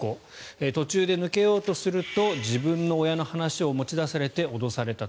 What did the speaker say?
途中で抜けようとすると自分の親の話を持ち出されて脅されたと。